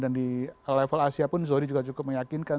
dan di level asia pun zohri juga cukup meyakinkan